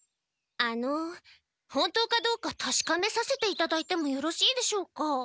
あの本当かどうかたしかめさせていただいてもよろしいでしょうか？